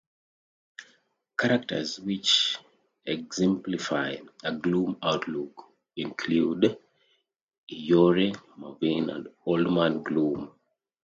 Characters which exemplify a gloomy outlook include Eeyore, Marvin and Old Man Gloom.